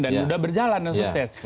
dan sudah berjalan dan sukses